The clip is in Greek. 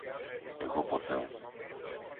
Εγώ ποτέ